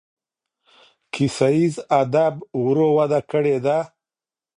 کیسه ییز ادب ورو وده کړې ده.